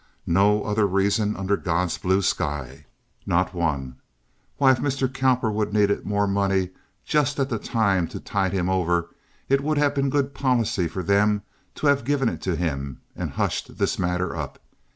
No other reason under God's blue sky, not one. Why, if Mr. Cowperwood needed more money just at that time to tide him over, it would have been good policy for them to have given it to him and hushed this matter up.